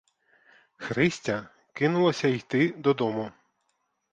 Христя кинулася йти додому.